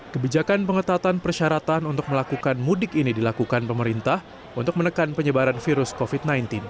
kebijakan pengetatan persyaratan untuk melakukan mudik ini dilakukan pemerintah untuk menekan penyebaran virus covid sembilan belas